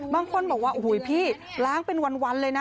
บางคนบอกว่าโอ้โหพี่ล้างเป็นวันเลยนะ